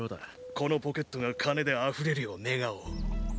このポケットが金であふれるよう願おう。